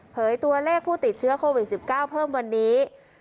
ตัวเลขผู้ติดเชื้อโควิด๑๙เพิ่มวันนี้